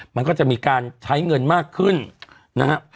มันก็จะมีการใช้เงินมากขึ้นนะครับ